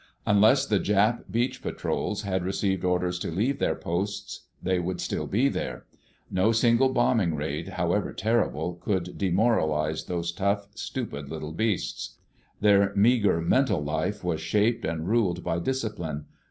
Unless the Jap beach patrols had received orders to leave their posts, they would still be there. No single bombing raid, however terrible, could demoralize those tough, stupid little beasts. Their meager mental life was shaped and ruled by discipline.